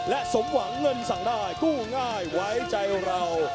และสมหวังเงินสั่งได้กู้ง่ายไว้ใจเรา